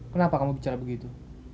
kenapa kamu bicara begitu